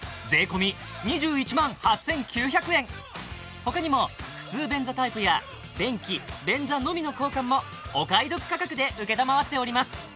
他にも普通便座タイプや便器便座のみの交換もお買い得価格で承っております